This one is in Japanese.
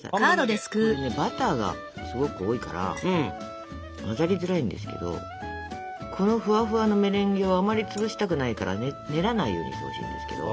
これねバターがすごく多いから混ざりづらいんですけどこのふわふわのメレンゲをあまり潰したくないからね練らないようにしてほしいんですけど。